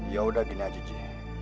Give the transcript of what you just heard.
ya udah gini aja ji